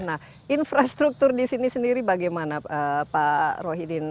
nah infrastruktur disini sendiri bagaimana pak rohidin